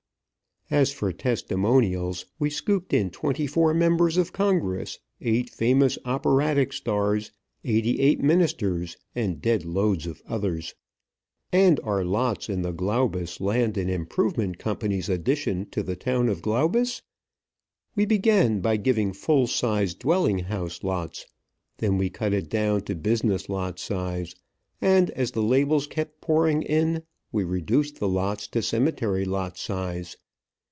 As for testimonials, we scooped in twenty four members of Congress, eight famous operatic stars, eighty eight ministers, and dead loads of others. And our lots in the Glaubus Land and Improvement Company's Addition to the town of Glaubus? We began by giving full sized dwelling house lots. Then we cut it down to business lot size; and, as the labels kept pouring in, we reduced the lots to cemetery lot size.